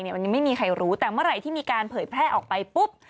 มันยังไม่มีใครรู้แต่เมื่อไหร่ที่มีการเผยแพร่ออกไปปุ๊บ